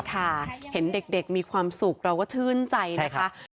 ค่ะเห็นเด็กมีความสุขเราก็ชื่นใจนะคะ